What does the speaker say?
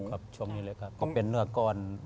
ตรงนี้เลยครับต้องเป็นเนื้อก้อน